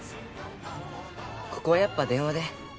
ここはやっぱ電話で。